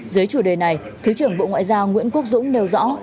dưới chủ đề này thứ trưởng bộ ngoại giao nguyễn quốc dũng nêu rõ